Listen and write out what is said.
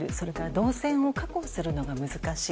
動線を確保するのが難しい。